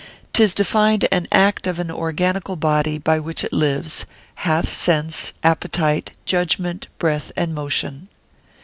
'Tis defined an Act of an organical body by which it lives, hath sense, appetite, judgment, breath, and motion.